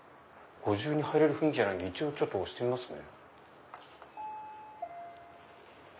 ご自由に入れる雰囲気じゃないんで押してみますね。